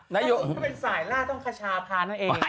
นายกก็เป็นสายล่าต้องขชาพานั่นเอง